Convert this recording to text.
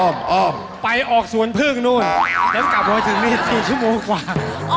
อ้อมอ้อมไปออกสวนพึ่งนู้นแล้วกลับรถถึงนี่๔ชั่วโมงความ